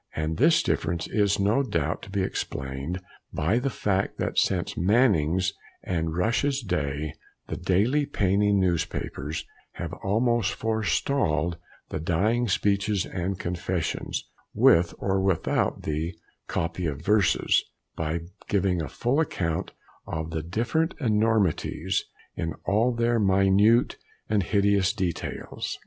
And this difference is no doubt to be explained by the fact that since Mannings and Rush's day the daily penny newspapers have almost forestalled the "Dying Speeches and confessions" with or without the "copy of verses" by giving a full account of the different enormities in all their minute and hideous details.